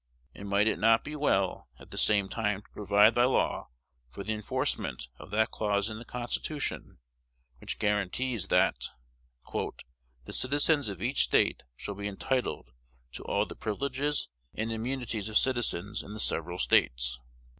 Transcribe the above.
And might it not be well at the same time to provide by law for the enforcement of that clause in the Constitution which guarantees that "the citizens of each State shall be entitled to all the privileges and immunities of citizens in the several States"?